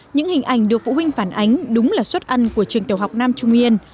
những hình ảnh được phụ huynh phản ánh đúng là suất ăn của trường tiểu học nam trung yên